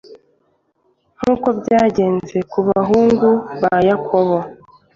nk uko byagenze ku bahungu ba Yakobo